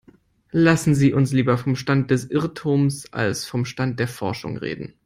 Lassen Sie uns lieber vom Stand des Irrtums als vom Stand der Forschung reden.